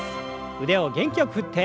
腕を元気よく振って。